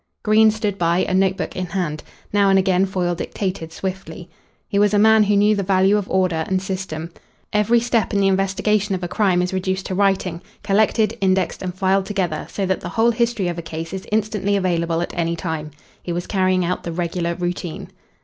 Green stood by, a note book in hand. Now and again Foyle dictated swiftly. He was a man who knew the value of order and system. Every step in the investigation of a crime is reduced to writing, collected, indexed, and filed together, so that the whole history of a case is instantly available at any time. He was carrying out the regular routine.